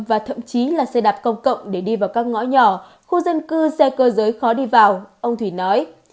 và thậm chí là xe đạp công cộng để đi vào các ngõ nhỏ khu dân cư xe cơ giới khó đi vào ông thủy nói